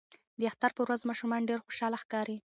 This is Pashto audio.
د اختر په ورځ ماشومان ډیر خوشاله ښکاري.